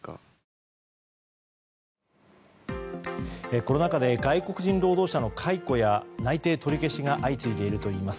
コロナ禍で外国人労働者の解雇や内定取り消しが相次いでいるといいます。